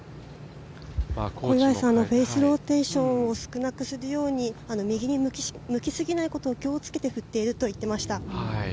小祝さんのフェースローテーションを少なくするように右に向きすぎないことを気をつけて振っているといっていました。